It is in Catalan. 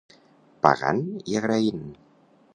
Pagant i agraint.